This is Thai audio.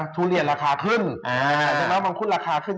ทุเรียนราคาขึ้น